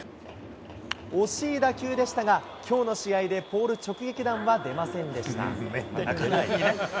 惜しい打球でしたが、きょうの試合でポール直撃弾は出ませんでした。